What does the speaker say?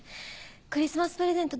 クリスマスプレゼント